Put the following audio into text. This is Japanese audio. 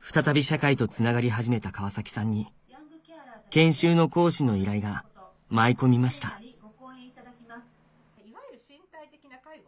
再び社会とつながり始めた川崎さんに研修の講師の依頼が舞い込みましたいわゆる身体的な介護。